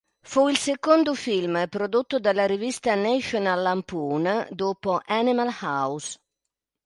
Fu il secondo film prodotto dalla rivista "National Lampoon", dopo "Animal House".